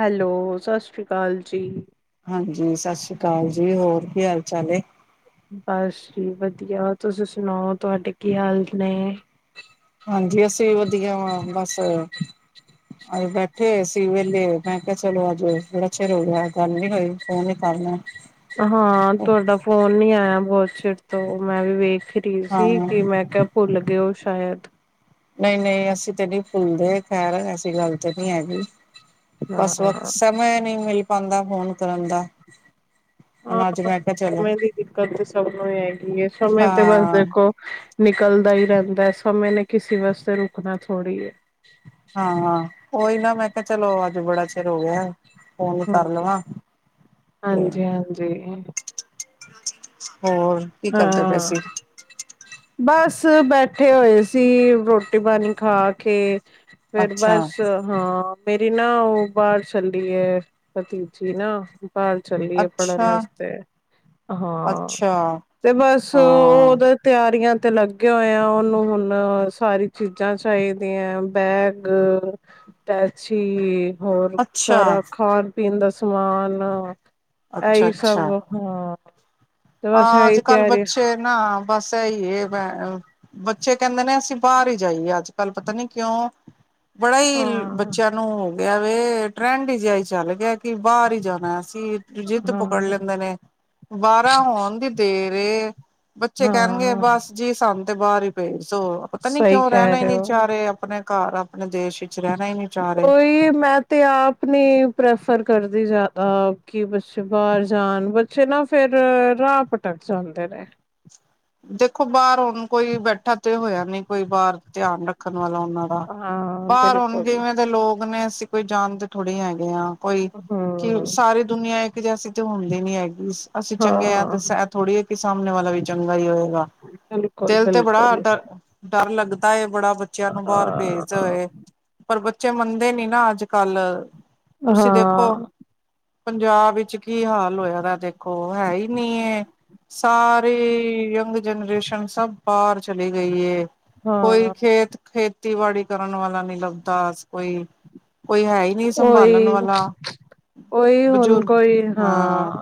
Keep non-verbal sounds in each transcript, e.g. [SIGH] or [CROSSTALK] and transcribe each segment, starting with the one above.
Hello ਸਤਿ ਸ੍ਰੀ ਅਕਾਲ ਜੀ ਹਾਂਜੀ ਸਤਿ ਸ੍ਰੀ ਅਕਾਲ ਜੀ ਹੋਰ ਕੀ ਹਾਲ ਚਾਲ ਹੈ ਬਸ ਜੀ ਵਧੀਆ ਤੁਸੀ ਸੁਣਾਓ ਤੁਹਾਡੇ ਕੀ ਹਾਲਤ ਨੇ ਹਾਂਜੀ ਅਸੀਂ ਵਧੀਆ ਵਾ ਬਸ ਅੱਜ ਬੈਠੇ ਸੀ ਵੇਲੇ ਮੈਂ ਕਿਹਾ ਚਲੋ ਅੱਜ ਬੜਾ ਚਿਰ ਹੋ ਗਿਆ ਗੱਲ ਨ ਹੋਈ ਫੋਨ ਨ ਕਰਨਾ ਹਾਂ ਤੁਹਾਡਾ ਫੋਨ ਨੀ ਆਇਆ ਬਹੁਤ ਚਿਰ ਤੋਂ ਮੈਂ ਵੀ ਵੇਖ ਵਰੀ ਸੀ ਹਾਂ ਕਿ ਮੈਂ ਕਿਹਾ ਭੁੱਲ ਗਏ ਉਹ ਸ਼ਾਇਦ ਨਹੀਂ ਨਹੀਂ ਅਸੀਂ ਤੇ ਨਹੀਂ ਫੁੱਲਦੇ ਖੈਰ ਐਸੀ ਗੱਲ ਤਾਂ ਨਹੀਂ ਹੈਗੀ ਬਸ ਹਾਂ। ਵਕਤ ਸਮੇ ਨਹੀਂ ਮਿਲ ਪਾਉਦਾ ਫੋਨ ਕਰਨ ਦਾ ਉਹ ਅੱਜ ਮੈਂ ਕਿਹਾ ਚਲੋ ਸਮੇ ਦੀ ਦਿੱਕਤ ਤੇ ਸਭ ਨੂੰ ਹੈਗੀ ਸਮੇਂ ਤੇ ਬਸ ਹਾਂ ਦੇਖੋ ਨਿਕਲਦਾ ਹੀ ਰਹਿੰਦਾ ਸਮੇਂ ਨੇ ਕਿਸੇ ਵਾਸਤੇ ਰੁਕਣਾ ਥੋੜੀ ਹੈ ਹਾਂਾਂ ਉਹੀ ਨਾ ਮੈਂ ਕਿਹਾ ਚਲੋ ਅੱਜ ਬੜਾ ਚਿਰ ਹੋ ਗਿਆ ਫੋਨ ਕਰ ਹੂੰ। ਲਵਾਂ ਹਾਂਜੀ-ਹਾਂਜੀ, ਹੋਰ ਕੀ ਕਰਦੇ ਪੇ ਸੀ ਬ ਬੈਠੇ ਹੋਏ ਸੀ ਰੋਟੀ ਪਾਣੀ ਖਾ ਕੇ ਫਿਰ ਅੱਛਾ ਬਸ ਹਾਂ ਮੇਰੀ ਨਾ ਉਹ ਬਾਹਰ ਚੱਲ ਰੀ ਹੈ ਭਤੀਜੀ ਨਾ ਘਰ ਚੱਲੀ ਪੜ੍ਹਨ ਅੱਛਾ, ਵਾਸਤੇ ਹਾਂ ਅੱਛਾ, ਤੇ ਬਸ ਉਹ ਹਾਂ, ਉਹਦਾ ਤਿਆਰ ਤਿਆਰੀ ਤੇ ਲੱਗੇ ਹੋਏ ਆ ਉਹਨੂੰ ਹੁਣ ਸਾਰੀ ਚੀਜ਼ਾਂ ਚਾਹੀਦੀਆਂ ਬੈਗ ਟੈਚੀ ਹੋਰ ਅੱਛਾ। ਸਾਰਾ ਖਾਣ ਪੀਣ ਦਾ ਸਮਾਨ ਸਮਾਨ ਇਹ ਸਭ ਹਾਂ ਤੇ ਅ ਬਸ ਇਹੀ ਅੱਜ ਕੱਲ ਤਿਆਰੀ ਬੱਚੇ ਨਾ ਬਸ ਇਹੀ ਹੈੈਂ ਬੱਚੇ ਕਹਿੰਦੇ ਨੇ ਅਸੀਂ ਬਾਹਰ ਹੀ ਜਾਈਏ ਅੱਜ ਕੱਲ ਪਤਾ ਨੀ ਕਿਉਂ ਬੜਾ ਹਾਂ ਹੀ ਬੱਚਿਆਂ ਨੂੰ ਹੋ ਗਿਆ ਵ ਟਰੈਂਡ ਹੀ ਜਿਹਾ ਹੀ ਚੱਲ ਗਿਆ ਕਿ ਬਾਹਰ ਹੀ ਜਾਣਾ ਅ ਜਿੱਦ ਪਕੜ ਹਾਂ ਲੈਂਦੇ ਨੇ ਬਾਰਾਂ ਹੋਣ ਦੀ ਦੇ ਰ ਬੱਚੇ ਕਹਿਣਗੇ ਹਾਂ ਬਸ ਜੀ ਸਾਨ ਤੇ ਬਾਹਰ ਹੀ ਪੇਜ ਸੋ ਪਤਾ ਨੀ ਸਹੀ ਕਿਉਂ ਕਹਿ ਰਹਿਣਾ ਹੀ ਰਹੇ ਨੀ ਹੋ ਚਾਹ ਰਹੇ ਆਪਣੇ ਘਰ ਆਪਣੇ ਦੇਸ਼ ਵਿੱਚ ਰਹਿਣਾ ਹੀ ਨੀ ਚਾਹ ਰਹੇ ਉਹੀ ਮੈਂ ਤੇ ਆਪ ਨੀ ਪ੍ਰੈਫਰ ਕਰਦਾ। ਜ਼ਿਆਦਾ ਕਿ ਬੱਚੇ ਬਾਹਰ ਜਾਣ ਬੱਚੇ ਨਾ ਫੇਰ ਰਾਹ ਭਟਕ ਜਾਂਦੇ ਰਹੇ, ਦੇਖੋ ਬਾਹਰ ਹੁਣ ਕੋਈ ਬੈਠਾ ਤੇ ਹੋਇਆ ਨੀ ਕੋਈ ਬਾਹਰ ਧਿਆਨ ਰੱਖਣ ਵਾਲਾ, ਉਹ ਦਾ ਹਾਂ ਬਾਹਰ ਹੁਣ ਬਿਲਕੁਲ ਜਿਵੇਂ ਦੇ ਲੋਕ ਨੇ ਅਸੀਂ ਕੋਈ ਜਾਣਦੇ ਥੋੜ੍ਹੀ ਹੈਗੇ ਆ, ਕੋਈ ਕਿ ਹਮ ਸਾਰੀ ਦੁਨੀਆਂ ਇੱਕ ਜੈਸੀੇ ਤੇ ਹੁੰਦੀ ਨੀ ਹੈਗੀ। ਅਸੀਂ ਚੰਗੇ ਹਾਂ ਤੇ ਐ ਥੋੜ੍ਹੀ ਹੈ ਕਿ ਸਾਹਮਣੇ ਵਾਲਾ ਵੀ ਚੰਗਾ ਹੋਏ। ਬਿਲਕੁਲ ਦਿਲ ਤੇ ਬੜਾ ਬਿਲਕੁਲ ਡਰ-ਡਰ ਲੱਗਦਾ ਹੈ। ਬੜਾ ਬੱਚਿਆਂ ਨੂੰ ਬਾਹਰ ਭੇਜ ਹਾਂ ਹੋਏ ਪਰ ਬੱਚੇ ਮੰਨਦੇ ਨੀ ਨਾ ਅੱਜ-ਕੱਲ, ਹਾਂ, ਪੰਜਾਬ ਵਿੱਚ ਕੀ ਹਾਲ ਹੋਇਆ ਦੇਖੋ ਹੈ ਹੀ ਨਹੀਂ ਸਾਰੇ, ਯੰਗ ਜਨਰੇਸ਼ਨ ਸਭ ਬਾਹਰ ਚਲੀ ਗਈ ਹੈ ਕੋਈ ਹਾਂ ਖੇਤ-ਖੇਤ, ਖੇਤੀਬਾੜੀ ਕਰਨ ਵਾਲਾ ਨੀ ਲੱਗਦਾ ਕੋਈ, ਕੋਈ ਹੈ ਹੀ ਨਹੀਂ ਸੰਭਾਲਣ ਉਹੀ ਵਾਲਾ ਉਹੀ ਹੁਣ ਬਜ਼ੁਰਗ ਕੋਈ ਹਾਂ,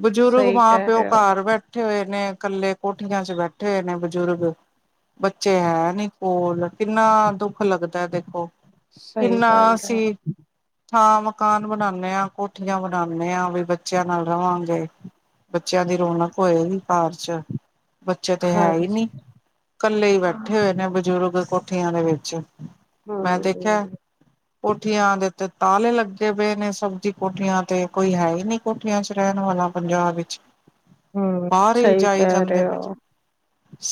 ਬਜ਼ੁਰਗ ਸਹੀ ਮਾਂ ਕਹਿ ਪਿਓ ਰਹੇ ਹੋ ਘਰ ਬੈਠੇ ਹੋਏ ਨੇ ਇਕੱਲੇ ਕੋਠੀਆਂ ਚ ਬੈਠੇ ਹੋਏ ਨੇ ਬਜ਼ੁਰਗ ਬੱਚੇ ਹੈ ਨੀ ਕੋਲ ਕਿੰਨਾ ਦੁੱਖ ਲੱਗਦਾ ਦੇਖੋ ਸਹੀ ਕਿੰਨਾ ਗੱਲ ਹੈ ਸੀ ਥਾਂ ਮਕਾਨ ਬਣਾਉਦੇ ਆਾਂ ਕੋਠੀਆਂ ਬਣਾਦੇ ਆ ਵੀ ਬੱਚਿਆਂ ਨਾਲ ਰਵਾਂਗੇ ਬੱਚਿਆਂ ਦੀ ਰੌਨਕ ਹੋਏਗੀ ਕਾਰ ਚ ਬੱਚੇ ਤੇ ਹੈ ਹੀ ਹਾਂਜੀ ਨਹੀਂ ਕੱਲੇ ਹੀ ਬੈਠੇ ਹਮ ਹੋਏ ਨੇ ਬਜ਼ੁਰਗ ਕੋਠੀਆਂ ਦੇ ਵਿੱਚ ਮੈਂ ਦੇਖਿਆ ਹਾਂਮ ਕੋਠੀਆਂ ਦੇ ਤੇ ਤਾਲੇ ਲੱਗੇ ਪਏ ਨੇ ਸਬਜ਼ ਕੋਠੀਆਂ ਤੇ ਕੋਈ ਹੈ ਹੀ ਨਹੀਂ ਕੋਠੀਆਂ ਚ ਰਹਿਣ ਵਾਲੇ ਪੰਜਾਬ ਵਿੱਚ ਹੂੰ, ਬਾਹਰ ਹੀ ਸਹੀ ਜਾਈ ਕਹਿ ਜਾਂਦੇ ਰਹੇ ਪਏ ਹੋ।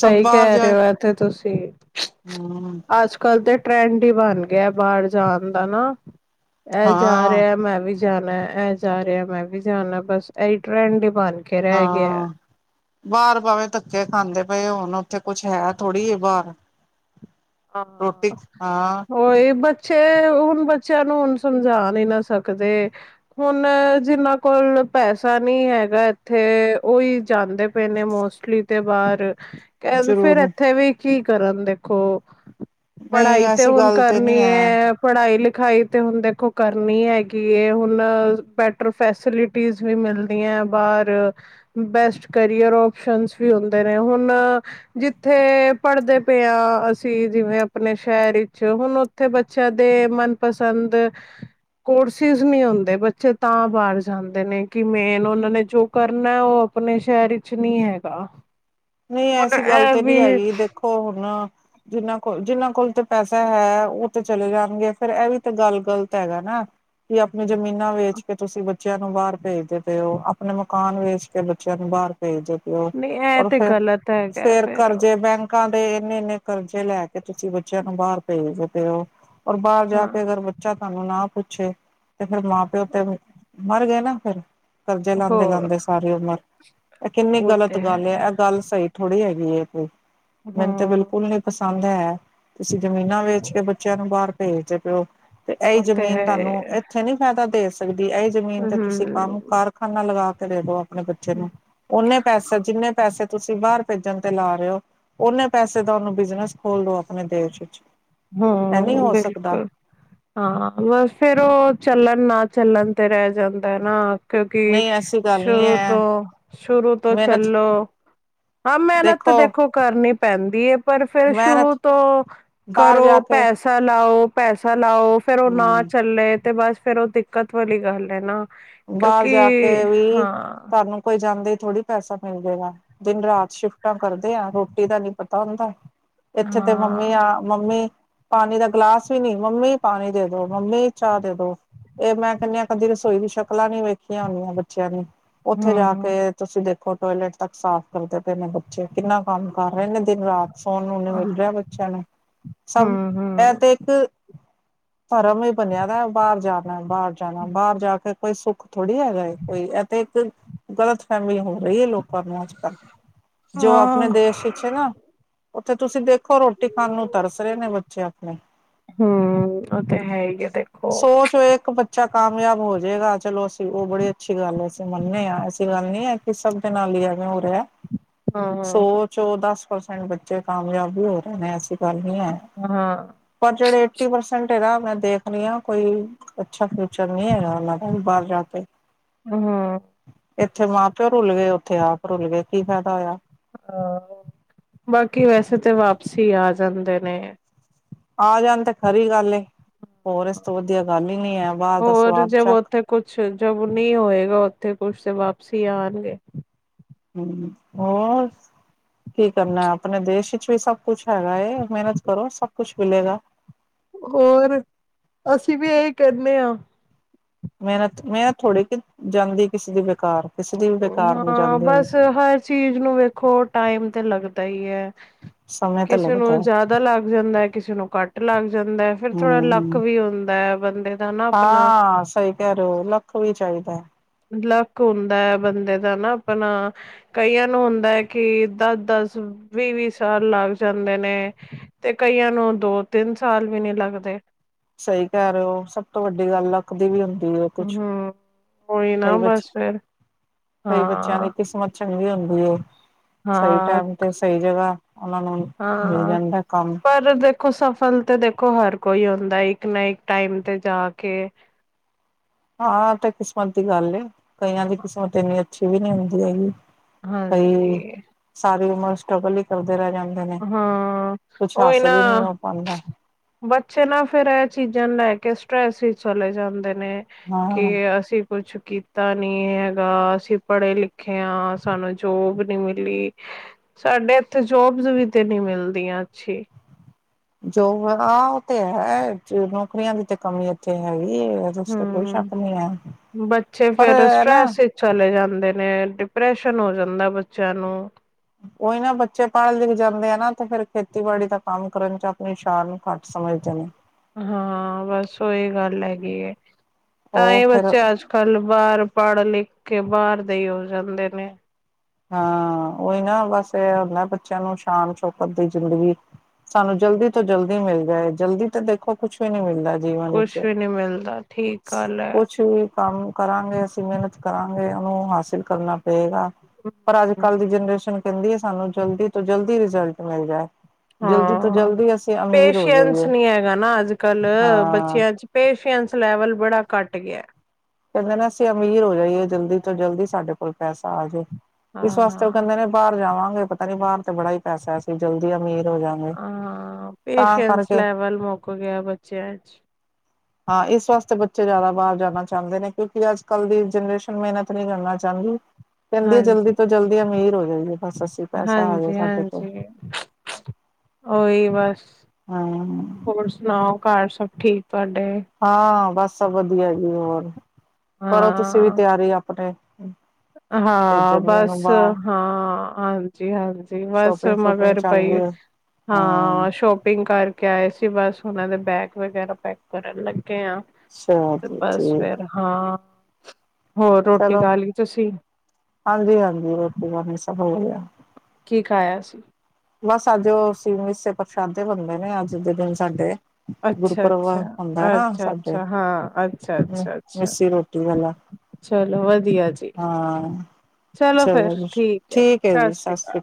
ਸਭ ਬਾਹਰ ਕਹਿ ਰਹੇ ਜਾਏ ਹੋ ਤੇ ਤੁਸੀਂ, ਹਮ ਅੱਜ-ਕੱਲ ਦੇ, ਟਰੈਂਡ ਬਣ ਗਿਆ ਬਾਹਰ ਜਾਣ ਦਾ ਨਾ, ਇਹ ਜਾ ਹਾਂ ਰਿਹਾ ਮੈਂ ਵੀ ਜਾਣਾ, ਇਹ ਜਾ ਰਿਹਾ ਮੈਂ ਵੀ ਜਾਣਾ, ਬਸ ਇਹੀ ਟ੍ਰੈਂਡ ਬਣ ਗਿਆ। ਕੇ ਰਹਿ ਹਾਂ, ਬਾਹਰ ਭਾਵੇ ਧੱਕੇ ਖਾਂਦੇ ਪਏ ਹੋਣ ਉੱਥੇ ਕੁਛ ਹੈ ਥੋੜੀ ਏ ਬਾਹਰ। ਰੋਟੀ ਹਾਂ ਹਾਂ ਉਹੀ ਬਸ ਤੇ ਹੁਣ ਬੱਚਿਆਂ ਨੂੰ ਹੁਣ ਸਮਝਾ ਹੀ ਨਾ ਸਕਦੇ, ਹੁਣ ਜਿੰਨਾ ਕੋਲ ਪੈਸਾ ਨਹੀਂ ਹੈਗਾ ਇੱਥੇ, ਉਹੀ ਜਾਂਦੇ ਪਏ ਨੇ ਮੋਸਟਲੀ ਤੇ ਬਾਹਰ ਕਹ ਫੇਰ ਜ਼ਰੂਰ ਇੱਥੇ ਵੀ ਕੀ ਕਰਨ ਦੇਖੋ ਨਹੀਂ ਪੜ੍ਹਾਈ ਤੇ ਐਸੀ ਹੁਣ ਗੱਲ ਤੇ ਕਰਨੀ ਨਹੀਂ ਹੈ ਏ, ਪੜ੍ਹਾਈ ਲਿਖ, ਦਿਖਾਈ ਤੇ ਹੁਣ ਦੇਖੋ ਕਰਨੀ ਹੈਗੀ ਏ, ਹੁਣ ਬੈਟਰ ਫੈਸੀਲਿਟੀਜ ਵੀ ਮਿਲਦੀਆਂ। ਬਾਹਰ ਬੈਸਟ ਕੈਰੀਅਰ ਆਪਸ਼ਨ ਵੀ ਹੁੰਦੇ ਨੇ, ਹੁਣ ਜਿੱਥੇ ਪੜਦੇ ਪਏ ਆ ਸੀ, ਜਿਵੇਂ ਆਪਣੇ ਸ਼ਹਿਰ ਵਿੱਚ ਹੁਣ ਉੱਥੇ ਬੱਚਿਆਂ ਦੇ ਮਨਪਸੰਦ ਕੋਰਸਿਸ ਨਹੀਂ ਹੁੰਦੇ, ਬੱਚੇ ਤਾਂ ਬਾਹਰ ਜਾਂਦੇ ਨੇ। ਕਿ ਮੇਨ ਉਹਨਾਂ ਨੇ ਜੋ ਕਰਨਾ, ਉਹ ਆਪਣੇ ਸ਼ਹਿਰ ਵਿੱਚ ਨਹੀਂ ਹੈਗਾ। ਨਹੀਂ ਹੁਣ ਐਸੀ ਗੱਲ ਇਹ ਤੇ ਨਹੀਂ ਵੀ ਹੈਗੀ ਦੇਖੋ ਹੁਣ ਜਿੰਨਾਂ ਕੋਲ ਜਿਹਨਾਂ ਕੋਲ ਤੇ ਪੈਸਾ ਹੈ ਉਹ ਤੇ ਚਲੇ ਜਾਣਗੇ, ਫੇਰ ਇਹ ਵੀ ਤਾਂ ਗੱਲ ਗ਼ਲਤ ਹੈਗਾ ਨਾ। ਕਿ ਆਪਣੀ ਜ਼ਮੀਨਾਂ ਵੇਚ ਕੇ ਤੁਸੀਂ ਬੱਚਿਆਂ ਨੂੰ ਬਾਹਰ ਭੇਜਦੇ ਪਏ ਔ, ਆਪਣੇ ਮਕਾਨ ਵੇਚ ਕੇ ਬੱਚਿਆਂ ਨੂੰ ਬਾਹਰ ਭੇਜਦੇ ਪਏ ਹੋ ਨਹੀਂ ਇਹ ਔਰ ਤੇ ਗੱਲ ਫਿਰ ਕਰਜ਼ੇ ਬੈਂਕਾਂ ਤੇ ਇੰਨੇ-ਇੰਨੇ ਕਰਜ਼ੇ ਲੈ ਕੇ ਤੁਸੀਂ ਬੱਚਿਆਂ ਨੂੰ ਬਾਹਰ ਭੇਜਦੇ ਔ। ਔਰ ਬਾਹਰ ਜਾ ਹਾਂ ਕੇ ਅਗਰ ਬੱਚਾ ਸਾਨੂੰ ਨਾ ਪੁੱਛੇ ਤੇ ਫੇਰ ਮਾਂ ਪਿਓ ਤੇ ਮਰ ਗਏ ਨਾ ਫਿਰ। ਕਰਜ਼ੇ ਹੋਰ ਲਾਦੇ-ਲਾਦੇ ਸਾਰੀ ਉਮਰ, ਇਹ ਕਿੰਨੀ ਉਹ ਗ਼ਲਤ ਤੇ ਗੱਲ ਐ ਹੈ। ਭਈ ਥੋੜ੍ਹੀ ਹੈਗੀ ਏ ਫ਼ਿਰ ਤੇ ਮੈਨੂੰ ਤੇ ਹਾਂ। ਬਿਲਕੁਲ ਨੀ ਪਸੰਦ ਹੈ। ਤੁਸੀਂ ਜ਼ਮੀਨਾਂ ਵੇਚ ਕੇ ਬੱਚਿਆਂ ਨੂੰ ਬਾਹਰ ਭੇਜਦੇ ਪਏ ਔ। ਤੇ ਇਹੀ ਉਹ ਤੇ ਜ਼ਮੀਨ ਤੁਹਾਨੂੰ ਹੈ। ਇੱਥੇ ਨੀ ਫਾਇਦਾ ਦੇ ਸਕ ਇਹ ਜ਼ਮੀਨ ਤੇ ਤੁਸੀਂ ਕੰਮ ਹੂੰ। ਕਾਰਖਾਨਾ ਲਗਾ ਕੇ ਦੇ ਦੋ ਆਪਣੇ ਬੱਚੇ ਨੂੰ। ਓਨੇ ਪੈਸੇ ਜਿੰਨੇ ਪੈਸੇ ਤੁਸੀਂ ਬਾਹਰ ਭੇਜਣ ਤੇ ਲਾ ਰਹੇ ਹੋ, ਓਨੇ ਪੈਸੇ ਦਾ ਉਹਨੂੰ ਬਿਜਨਸ ਖੋਲ ਦੋ, ਆਪਣੇ ਦੇਸ਼ ਵਿੱਚ। ਇਹ ਨਹੀਂ ਹੂੰ, ਹੋ ਸਕਦਾ ਬਿਲਕੁਲ ਹਾਂ ਬਸ ਫੇਰ ਉਹ ਚੱਲਣ ਨਾ ਚੱਲਣ ਤੇ ਰਹਿ ਜਾਂਦਾ ਨਾ। ਕਿਉਂਕਿ ਨਹੀਂ ਐਸੀ ਗੱਲ ਨਹੀਂ ਸ਼ੁਰੂ ਹੈ ਤੋਂ ਸ਼ੁਰੂ ਤੋਂ ਮਿਹਨਤ ਚੱਲੋ ਹਾਂ, ਮਿਹਨਤ ਤੇ ਦੇਖੋ ਕਰਨੀ ਪੈਂਦੀ ਪਰ ਫੇਰ ਸ਼ੁਰੂ ਮਿਹਨਤ ਤੋਂ ਬਾਹਰ ਕਰੋ ਜਾ ਕੇ ਪੈਸਾ ਲਾਉ ਪੈਸਾ ਲਾਉ ਫੇਰ ਉਹ ਨਾ ਹਮ ਚੱਲੇ ਤੇ ਬਸ ਫੇਰ ਉਹ ਦਿੱਕਤ ਵਾਲੀ ਗੱਲ ਹੈ ਨਾ। ਬਾਹਰ ਕਿਉਂਕਿ ਜਾ ਕੇ ਵੀ ਹਾਂ ਤੁਹਾਨੂੰ ਕੋਈ ਜਾਂਦੇ ਥੋੜ੍ਹੀ ਪੈਸਾ ਮਿਲ ਜਾਏਗਾ, ਦਿਨ ਰਾਤ ਸ਼ਿਫਟਾਂ ਕਰਦੇ ਆ ਰੋਟੀ ਦਾ ਨੀ ਪਤਾ ਹੁੰਦਾ। ਇੱਥੇ ਤੇ ਮੰਮੀ ਆ ਹਾਂ। ਮੰਮੀ, ਪਾਣੀ ਦਾ ਗਲਾਸ ਵੀ ਨਹੀਂ, ਮੰਮੀ ਪਾਣੀ ਦੇ ਦੋ ਮੰਮੀ ਚਾਹ ਦੇ ਦੋ। ਇਹ ਮੈਂ ਕਹਿੰਦੀ ਆ ਕਦੀ ਰਸੋਈ ਦੀ ਸ਼ਕਲਾਂ ਨੀ ਵੇਖੀਆਂ ਹੁੰਦੀਆਂ ਬੱਚਿਆਂ ਨੇ, ਉੱਥੇ ਜਾ ਹੂੰ, ਕੇ ਤੁਸੀਂ ਦੇਖੋ। ਟੋਇਲੇਟ ਤੱਕ ਸਾਫ਼ ਕਰਦੇ ਪਏ ਨੇ ਬੱਚੇ। ਕਿੰਨਾ ਕੰਮ ਕਰ ਰਹੇ ਨੇ, ਦਿਨ ਰਾਤ ਸੋਣ ਨੂੰ ਨੀ ਮਿਲ ਰਿਹਾ ਬੱਚਿਆਂ ਨੂੰ। ਸਭ ਹੂੰ, ਮੈ ਹੂੰ। ਤੇ ਇਕ ਧਰਮ ਹੀ ਬਣਿਆ ਦਾ, ਬਾਹਰ ਜਾਣਾ ਬਾਹਰ ਜਾਣਾ ਬਾਹਰ ਜਾ ਕੇ ਕੋਈ ਸੁੱਖ ਥੋੜ੍ਹੀ ਹੈਗਾ ਏ ਕੋਈ, ਇਹ ਤੇ ਇੱਕ ਗਲਤ ਗਲਤ ਫਹਿਮੀ ਹੋ ਰਹੀ ਹੋ ਰਹੀ ਏ ਲੋਕਾਂ ਨੂੰ ਅੱਜ ਕੱਲ, ਜੋ ਹਾਂ। ਆਪਣੇ ਦੇਸ਼ ਵਿੱਚ ਨਾ ਉੱਥੇ ਤੁਸੀਂ ਦੇਖੋ ਰੋਟੀ ਖਾਣ ਨੂੰ ਤਰਸ ਰਹੇ ਨੇ ਬੱਚੇ ਆਪਣੇ। ਹੂੰ, ਉਹ ਤੇ ਹੈ ਹੀ ਆ ਦੇਖੋ। ਸੋਚ ਹੋਏ ਇੱਕ ਬੱਚਾ ਕਾਮਯਾਬ ਹੋਜਏਗਾ। ਚਲੋ ਅਸੀਂ ਉਹ ਬੜੀ ਅੱਛੀ ਗੱਲ ਹੈ। ਅਸੀਂ ਮੰਨੇ ਹਾਂ ਅਸੀਂ ਗੱਲ ਨੀ ਹੈ ਕਿ ਸਭ ਦੇ ਨਾਲ ਹੀ ਐਵੇਂ ਹੋ ਰਿਹਾ। ਹਾਂ। ਸੌਚ ਓ ਦਸ ਪਰਸੈਂਟ ਬੱਚੇ ਕਾਮਯਾਬ ਵੀ ਹੋ ਰਹੇ ਨੇ ਐਸੀ ਗੱਲ ਨੀ ਹੈ। ਹਾਂ, ਪਰ ਜਿਹੜੇ ਏਟੀ ਪਰਸੈਂਟ ਇਹਦਾ ਮੈਂ ਦੇਖ ਨੀ ਆ ਕੋਈ ਅੱਛਾ ਫਿਊਚਰ ਨਹੀਂ ਹੈਗਾ ਓਨਾ ਦਾ ਵੀ ਬਾਹਰ ਜਾਕੇ ਹੂੰ, ਹਾਂ। ਇੱਥੇ ਮਾਂ ਪਿਓ ਰੁਲ ਗਏ ਉੱਥੇ ਆਪ ਰੁਲ ਗਏ ਕੀ ਫਾਇਦਾ ਹੋਇਆ ਹ ਬਾਕੀ ਵੈਸੇ ਤਾਂ ਵਾਪਸੀ ਆ ਜਾਂਦੇ ਨੇ ਆ ਜਾਣ ਤੇ ਖਰੀ ਗੱਲ ਏ ਹੋਰ ਇਸ ਤੋਂ ਵਧੀਆ ਗੱਲ ਹੀ ਨੀ ਹੈ ਬਾਹਰ ਦਾ ਹੋਰ ਸਵਾਦ ਜਬ ਚੱਕ ਉੱਥੇ ਕੁਛ ਜਬ ਨਹੀਂ ਹੋਏਗਾ ਉੱਥੇ ਕੁਛ ਤੇ ਵਾਪ ਸੀ ਆਉਣਗੇ ਹਮ ਹੋਰ ਕੀ ਕਰਨਾ ਆਪਣੇ ਦੇਸ਼ ਵੀ ਸਭ ਕੁਛ ਹੈਗਾ ਏ ਮਿਹਨਤ ਕਰੋ ਸਭ ਕੁਛ ਮਿਲੇਗਾ। ਹੋਰ ਅਸੀਂ ਵੀ ਇਹੀ ਕਹਿਨੇ ਆ। ਮਿਹਨਤ-ਮਿਹਨਤ ਥੋੜ੍ਹੀ ਕਿ ਜਾਂਦੀ ਕਿਸੇ ਦੀ ਬੇਕਾਰ। ਕਿਸੇ ਦੀ ਵੀ ਬੇਕਾਰ ਨੀ ਹਾਂ ਜਾਂਦੀ ਹੁਣ ਬਸ ਹਰ ਚੀਜ਼ ਨੂੰ ਵੇਖੋ ਟਾਈਮ ਤੇ ਲੱਗਦਾ ਹੀ ਹੈ। ਸਮੇਂ ਤਾਂ ਕਿਸੇ ਨੂੰ ਲੱਗਦਾ ਹੈ ਜਿਆਦਾ ਲੱਗ ਜਾਂਦਾ ਹੈ ਕਿਸੇ ਨੂੰ ਘੱਟ। ਲੱਗ ਜਾਂਦਾ ਹੈ ਫੇਿਰ ਥੋੜਾ ਲੱਕ ਹਮ ਵੀ ਹੁੰਦਾ ਹੈ। ਬੰਦੇ ਦਾ ਨਾ ਆਪਣਾ ਹਾਂ। ਸਹੀ ਕਹਿ ਰਹੇ ਹੋ ਲੱਕ ਵੀ ਚਾਹੀਦਾ ਹੈ ਲੱਕ ਹੁੰਦਾ ਹੈ। ਬੰਦੇ ਦਾ ਨਾ ਆਪਣਾ ਕਈਆਂ ਨੂੰ ਹੁੰਦਾ ਹੈ ਕਿ ਦਸ-ਦਸ ਵੀਹ-ਵੀਹ ਸਾਲ ਲ ਲੱਗ ਜਾਂਦੇ ਨੇ ਤੇ ਕਈਆਂ ਨੂੰ ਦੋ-ਤਿੰਨ ਸਾਲ ਵੀ ਨੀ ਲੱਗਦੇ। ਸਹੀ ਕਹਿ ਰਹੇ ਹੋ ਸਭ ਤੋਂ ਵੱਡੀ ਗੱਲ ਲੱਕਦੀ ਵੀ ਹ ਹੂੰ। ਕੋਈ ਨਾ ਬੱਚੇ ਬਸ ਫੇਿਰ। ਕਈ ਬੱਚਿਆਂ ਦੀ ਕਿਸਮਤ ਚੰਗੀ ਹੁੰਦੀ ਏ। ਸਹੀ ਹਾਂ ਟਾਈਮ ਤੇ ਸਹੀ ਜਗ੍ਹਾ ਉਹਨਾਂ ਨੂੰ ਮਿਲ ਹਾਂ ਜਾਂਦਾ ਕੰਮ। ਕੂਲ ਤੇ ਦੇਖੋ ਹਰ ਕੋਈ ਹੁੰਂਦਾ ਇੱਕ ਨਾ ਇੱਕ ਟਾਈਮ ਤੇ ਜਾ ਕੇ ਹਾਂ ਤੇ ਕਿਸਮਤ ਦੀ ਗੱਲ ਏ। ਕਈਆਂ ਦੀ ਕਿਸਮਤ ਤੇ ਇੰਨੀ ਅੱਛੀ ਵੀ ਨਹੀਂ ਹੁੰਦੀ ਹੈਗੀ। ਕਈ ਹਾਂਜੀ ਸਾਰੀ ਉਮਰ ਸਟਰਗਲ ਹੀ ਕਰ ਹਾਂ। ਓਹੀ ਨਾ ਹਾਸਿਲ ਹੀ ਨਹੀਂ ਹੋ ਪਾਉਂਦਾ ਬੱਚੇ ਨਾ ਫੇਰ ਇਹ ਚੀਜ਼ਾਂ ਨੂੰ ਲੈ ਕੇ ਟ੍ਰੇਸ ਵਿੱਚ ਚਲੇ ਜਾਂਦੇ ਨੇ ਕਿ ਹਾਂ ਅਸੀਂ ਕੁਛ ਕੀਤਾ ਨੀ ਹੈਗਾ, ਅਸੀਂ ਪੜ੍ਹੇ-ਲਿਖੇ ਹਾਂ, ਸਾਨੂੰ ਜੋਬ ਨੀ ਮਿਲੀ। ਸਾਡੇ ਇੱਥੇ ਜੋਬਸ ਵੀ ਤੇ ਨਹੀਂ ਮਿਲਦੀਆਂ ਅੱਛੀ। ਜੋਬ ਹੈ ਉਹ ਤੇ ਹੈ ਨੌਕਰੀਆਂ ਦੀ ਤੇ ਕਮੀ ਇੱਥੇ ਹੈਹੀ। ਇਹਸਤੇ ਕੋਈ ਹਮ ਸ਼ੱਕ ਨਹੀਂ ਹੈ ਪਰ ਇਹਨਾ ਹੂੰਦੇ ਨੇ ਡਿਪ੍ਰੈਸ਼ਨ ਹੋ ਜਾਂਦਾ ਬੱਚਿਆਂ ਨੂੰ। ਉਹੀ ਨਾ ਬੱਚੇ ਪੜ੍ਹ-ਲਿਖ ਜਾਂਦੇ ਆ ਨਾ ਤੇ ਫੇਿਰ ਖੇਤੀਬਾੜੀ ਦਾ ਕੰਮ ਕਰਨ ਚ ਆਪਣੀ ਛਾਨ ਨੂੰ ਘੱਟ [INAUDIBLE] ਹਾਂ। ਬਸ ਉਹੀ ਗੱਲ ਹੈਗੀ ਏ ਤਾਂ ਉਹ ਇਹ ਫਿਰ ਬੱਚੇ ਅੱਜ-ਕੱਲ ਬਾਹਰ ਪੜ੍ਹ-ਲਿਖ ਕੇ ਬਾਹਰ ਦੇ ਈ ਹੋ ਜਾਂਦੇ ਨੇ। ਹਾਂ। ਉਹੀ ਨਾ ਬਸ ਇਹੁੰਦਾ ਬੱਚਿਆਂ ਨੂੰ ਸ਼ਾਨ-ਛੋਪਤ ਦੀ ਜ਼ਿੰਦਗੀ ਸਾਨੂੰ ਜਲਦੀ-ਤੋਂ-ਜਲਦੀ ਮਿਲ ਜਾਏ ਜਲਦੀ ਤਾਂ ਦੇਖੋ ਕੁੱਛ ਵੀ ਨੀ ਮਿਲਦਾ ਜੀਵਨ ਕੁਛ ਵਿੱਚ। ਵੀ ਨੀ ਮਿਲਦਾ ਠੀਕ ਗੱਲ ਹੈ ਕੁਛ ਵੀ ਕੰਮ ਕਰਾਂਗੇ ਅਸੀਂ ਮਿਹਨਤ ਕਰਾਂਗੇ ਉਹਨੂੰ ਹਾਸਿਲ ਕਰਨਾ ਪਏਗਾ ਪਰ ਅੱਜ-ਕੱਲ੍ਹ ਦੀ ਜਨਰੇਸ਼ਨ ਕਹਿੰਦੀ ਹੈ ਸਾਨੂੰ ਜਲਦੀ-ਤੋਂ-ਜਲਦੀ ਰਿਜ਼ਲਟ ਮਿਲ ਜਾਏ। ਜਲਦੀ-ਤੋਂ-ਜਲਦੀ ਅਸੀਂ ਅਮੀਰ ਹੋ ਪੇਸ਼ਂਸ ਜਾਈਏ ਨੀ ਹੈਗਾ ਨਾ ਅੱਜ-ਕੱਲ ਹਾਂ ਬੱਚਿਆਂ ਚ ਪੇਸ਼ੰਸ ਲੈਵਲ ਬੜਾ ਘੱਟ ਗਿਆ। ਕਹਿੰਦੇ ਨਾ ਅਸੀਂ ਅਮੀਰ ਹੋ ਜਾਈਏ ਜਲਦੀ-ਤੋਂ-ਜਲਦੀ ਸਾਡੇ ਕੋਲ ਪੈਸਾ ਆ ਜਾਏ। ਇਸ ਵਾਸਤੇ ਉਹ ਹਾਂ ਕਹਿੰਦੇ ਨੇ ਬਾਹਰ ਜਾਵਾਂਗੇ ਪਤਾ ਨੀ ਬਾਹਰ ਤੇ ਬੜਾ ਹੀ ਪੈਸਾ ਹੈ ਅਸੀ ਜਲਦੀ ਅਮੀਰ ਹੋ ਜਾਂਗੇ ਹਾਂ, ਤਾਂ ਪੇਸ਼ੈਂਸ ਕਰਕੇ ਲੈਵਲ ਮੌਕ ਗਿਆ ਬੱਚਿਆ ਚ। ਹਾਂ, ਇਸ ਵਾਸਤੇ ਬੱਚੇ ਜ਼ਿਆਦਾ ਬਾਹਰ ਜਾਣਾ ਚਾਹੁੰਦੇ ਨੇ ਕਿਉਂਕਿ ਅੱਜ-ਕੱਲ੍ਹ ਦੀ ਜਨਰੇਸ਼ਨ ਮਿਹਨਤ ਨਹੀਂ ਕਰਨਾ ਚਾਹੁੰਦੀ। ਕਹਿੰਦੀ ਆ, ਜਲਦੀ ਹਾਂਜੀ ਤੋਂ ਜਲਦੀ ਅਮੀਰ ਹੋ ਜਾਈਏ ਬਸ ਅਸੀ ਪੈਸਾ ਆ ਜਾਏ ਹਾਂਜੀ ਸਾਡੇ ਕੋਲ। ਹ [INAUDIBLE] ਹਾਂਜੀ ਉਹੀ ਬਸ, ਹੋਰ ਸੁਣਾਓ ਘਰ ਸਭ ਠੀਕ। ਤੁਹਾਡੇ ਹਾਂ, ਬਸ ਸਭ ਵਧੀਆ ਜੀ ਹੋਰ ਕਰੋ ਤੁਸੀਂ ਵੀ ਹਾਂ ਤਿਆਰੀ ਆਪਣੇ ਹਾਂ, ਭੇਜਣ ਦੀ ਬਸ ਉਹਨੂੰ ਬਾਹਰ ਹਾਂ, ਹਾਂਜੀ-ਹਾਂਜੀ, ਬਸ ਸ਼ੋਪਿੰਗ ਸ਼ੂਪਿੰਗ ਮਗਰ ਚੱਲ ਪਈ ਰਹੀ ਹੈ ਹਾਂ, ਸ਼ੋਪਿੰਗ ਕਰਕੇ ਆਏ ਸੀ ਬਸ। ਉਹਨਾਂ ਦੇ ਬੈਗ ਵਗੈਰਾ ਪੈਕ ਕਰਨ ਲੱਗੇ ਆ, ਚਲੋ ਤੇ ਠੀਕ ਬਸ ਹੈ, ਫਿਰ ਹਾਂ ਹੋਰ ਰੋਟੀ ਚਲੋ ਖਾ ਲਈ। ਤੁਸੀਂ ਹਾਂਜੀ- ਹਾਂਜੀ ਰੋਟੀ ਖਾ ਲਈ ਸਭ ਹੋ ਗਿਆ । ਕੀ ਖਾਇਆ ਸੀ? ਬਸ ਅੱਜ ਉਹ ਅਸੀ ਮਿਸੇ ਪ੍ਰਸ਼ਾਦੇ ਬਣਦੇ ਨੇ, ਅੱਜ ਦੇ ਦਿਨ ਸਾਡੇ। ਅੱਛਾ- ਗੁਰਪੁਰਬ ਅੱਛਾ- ਹੁੰਦਾ ਨਾ ਅੱਛਾ ਸਾਡੇ -ਅੱਛਾ ਹਾਂ, ਅੱਛਾ- ਅੱਛਾ- ਅੱਛਾ। ਮਿੱਸੀ ਰੋਟੀ ਵਾਲਾ ਚਲੋ ਵਧੀਆ ਜੀ। ਹਾਂ ਚਲੋ ਫੇਰ ਠੀਕ ਹੈ, ਜੀ ਸਤਿ ਸ਼੍ਰੀ ਅਕਾਲ।